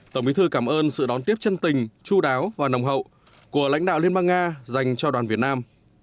tổng bí thư cảm ơn sự đón tiếp chân tình chú đáo và nồng hậu của lãnh đạo liên bang nga dành cho đoàn việt nam